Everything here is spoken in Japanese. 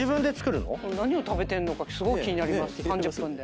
何を食べてるのかすごい気になります３０分で。